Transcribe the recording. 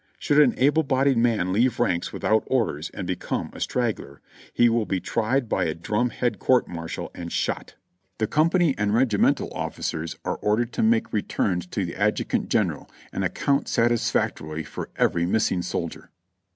Should an able bodied man leave ranks without orders and become a straggler, he will' be tried by a drum head court martial and shot. The 3IO JOHNNY REB AND BILLY YANK company and regimental officers are ordered to make returns to the adjutant general, and account satisfactorily for every miss ing soldier."